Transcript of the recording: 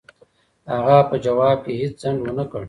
هغه په ځواب کې هېڅ ځنډ و نه کړ.